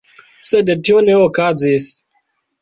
Sed tio ne okazis.